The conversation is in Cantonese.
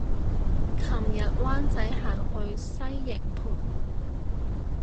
琴日灣仔行去西營盤